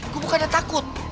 gue bukannya takut